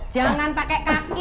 jangan pakai kaki